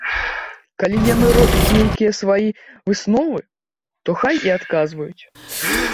Калі яны робяць нейкія свае высновы, то хай і адказваюць!